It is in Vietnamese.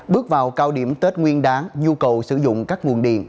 bước vào cao điểm tết nguyên đáng nhu cầu sử dụng các nguồn điện